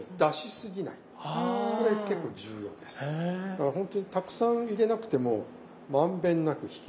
だからほんとにたくさん入れなくても満遍なく引けるっていう。